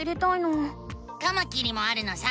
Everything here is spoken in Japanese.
カマキリもあるのさ！